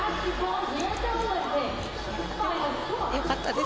よかったです。